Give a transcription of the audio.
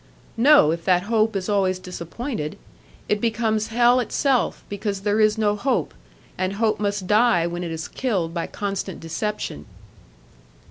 "No, if that hope is always disappointed. It becomes hell itself, because there is no hope, and hope must die when it is killed by constant deception."